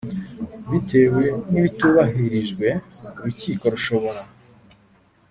Bitewe n ibitubahirijwe urukiko rushobora